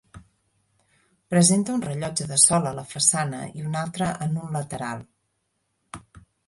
Presenta un rellotge de sol a la façana i un altre en un lateral.